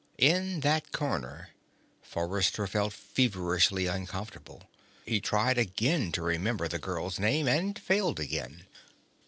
In that corner, Forrester felt feverishly uncomfortable. He tried again to remember the girl's name, and failed again.